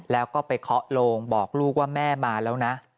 แล้วก็ไปเคาะโลงบอกลูกว่าแม่มาแล้วนะ